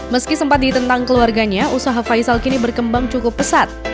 meski sempat ditentang keluarganya usaha faisal kini berkembang cukup pesat